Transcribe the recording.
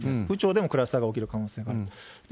府庁でもクラスターが起きる可能性がある。